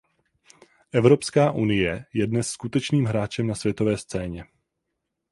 Evropská unie je dnes skutečným hráčem na světové scéně.